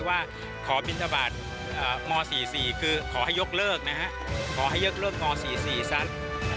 ว่าขอบินทบาทม๔๔คือขอให้ยกเลิกนะฮะขอให้ยกเลิกม๔๔ซะ